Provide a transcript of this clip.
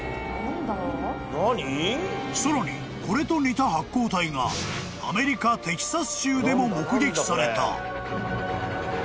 ［さらにこれと似た発光体がアメリカテキサス州でも目撃された］